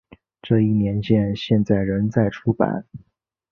这一年鉴现在仍在出版。